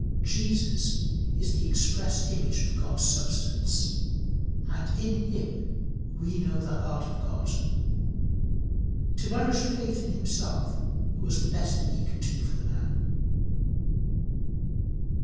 Jesus is the express image of God's substance, and in him we know the heart of God. To nourish faith in himself was the best thing he could do for the man.